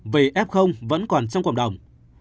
vì f vẫn còn trong cộng đồng